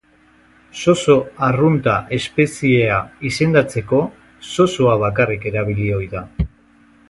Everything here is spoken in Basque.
Zozo arrunta espeziea izendatzeko zozoa bakarrik erabili ohi da.